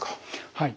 はい。